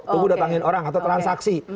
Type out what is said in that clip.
tunggu datangin orang atau transaksi